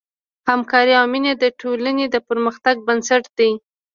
همکاري او مینه د ټولنې د پرمختګ بنسټ دی.